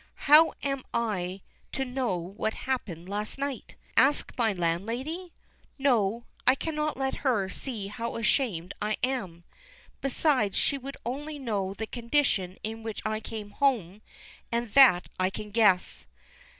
How am I to know what happened last night? Ask my landlady? No; I cannot let her see how ashamed I am. Besides, she would only know the condition in which I came home; and that I can guess.